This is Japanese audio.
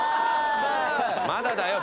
まだだよ